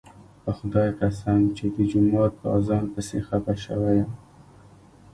په خدای قسم چې د جومات په اذان پسې خپه شوی یم.